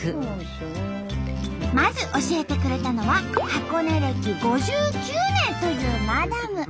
まず教えてくれたのは箱根歴５９年というマダム。